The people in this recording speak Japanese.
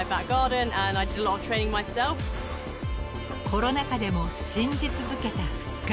［コロナ禍でも信じ続けた復活］